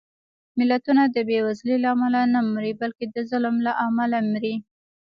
ملتونه د بېوزلۍ له امله نه مري، بلکې د ظلم له امله مري